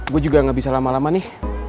gue juga gak bisa lama lama nih